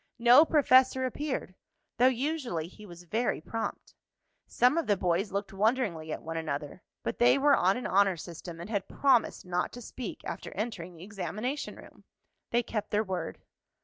No professor appeared, though usually he was very prompt. Some of the boys looked wonderingly at one another, but they were on an honor system, and had promised not to speak after entering the examination room. They kept their word.